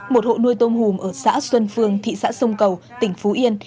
một hộ nuôi tôm hùm ở xã xuân phương thị xã sông cầu tỉnh phú yên